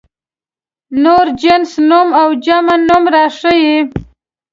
نور جنس نوم او جمع نوم راښيي.